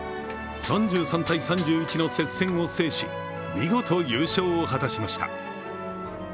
３３−３１の接戦を制し見事優勝を果たしました。